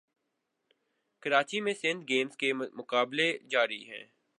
کراچی میں سندھ گیمز کے مقابلے جاری ہیں